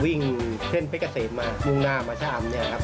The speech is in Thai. วิ่งเส้นเพชรเกษมมามุ่งหน้ามาชะอำเนี่ยครับ